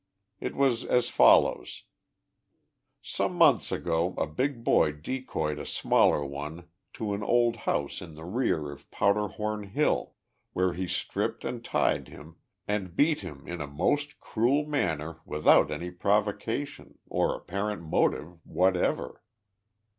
It was as follows : 44 Some months ago a big boy decoyed a smaller one to an old house in the rear of Powder Horn Hill, where he stripped and tied, and beat him in a most cruel manner without any prov SS TIIE LIFE OF JESSE HARD IX G POMEROY. ocation, or Apparent motive, whatever.